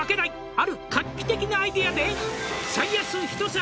「ある画期的なアイデアで」